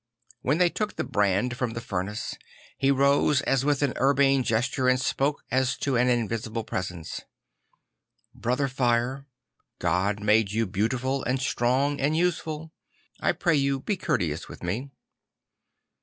When they took the brand from the furnace, he rose as with an urbane gesture and spoke as to an invisible presence: It Brother Fire, God made you beautiful and strong and useful; I pray you be courteous with me."